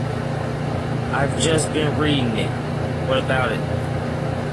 I've just been reading it. What about it?